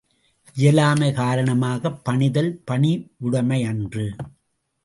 இயலாமை காரணமாகப் பணிதல் பணிவுடைமையன்று.